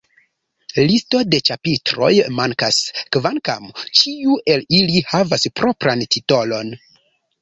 Listo de ĉapitroj mankas, kvankam ĉiu el ili havas propran titolon.